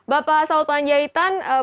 bapak saud panjaitan